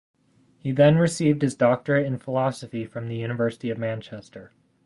He then received his doctorate in Philosophy from the University of Manchester.